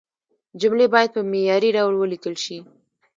جملې باید په معياري ډول ولیکل شي.